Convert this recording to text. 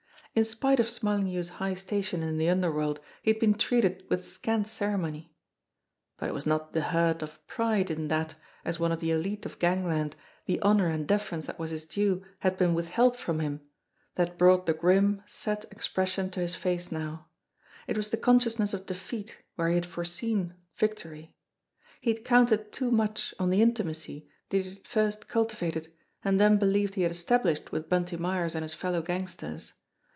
In spite of Smarlinghue's high station in the underworld, he had been treated with scant ceremony ! But it was not the hurt of pride in that, as one of the elite of gangland, the honour and deference that was his due had been withheld from him, that brought the grim, set expres sion to his face now ; it was the consciousness of defeat where he had foreseen victory. He had counted too much on the intimacy that he had first cultivated and then believed he had established with Bunty Myers and his fellow gangsters.